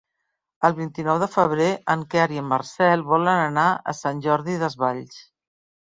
El vint-i-nou de febrer en Quer i en Marcel volen anar a Sant Jordi Desvalls.